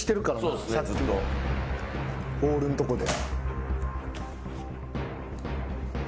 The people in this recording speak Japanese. オールんとこで。